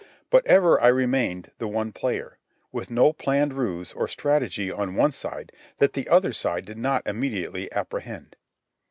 But ever I remained the one player, with no planned ruse or strategy on one side that the other side did not immediately apprehend.